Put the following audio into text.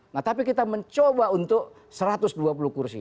nah tapi kita mencoba untuk satu ratus dua puluh kursi